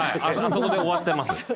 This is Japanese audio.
あそこで終わってます。